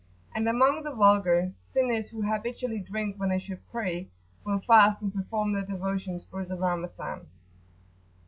And among the vulgar, sinners who habitually drink when they should pray, will fast and perform their devotions through the Ramazan.